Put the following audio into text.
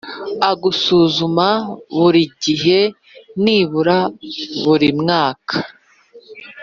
a gusuzuma buri gihe nibura buri mwaka